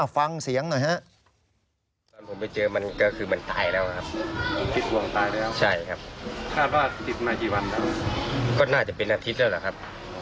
ฟังเสียงหน่อยนะครับ